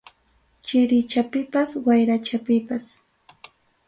Chirichapipas, wayrachapipas.